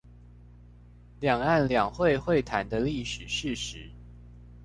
兩岸兩會會談的歷史事實